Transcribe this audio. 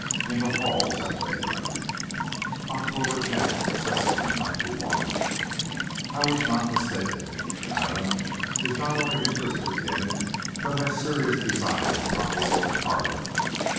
IN THE HALLS AT MIDNIGHT. OCTOBER 10, 1791. I was not mistaken. Madame is not only interested in, but has serious designs upon the oak parlor.